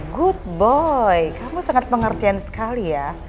good boy kamu sangat pengertian sekali ya